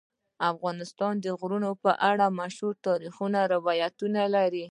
افغانستان د غرونه په اړه مشهور تاریخی روایتونه لري.